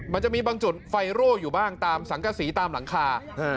มันจะมีบางจุดไฟโร่อยู่บ้างตามสังกษีตามหลังคา